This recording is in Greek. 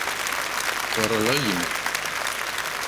Τ' ωρολόγι μου!